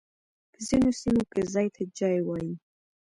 په ځينو سيمو کي ځای ته جای وايي.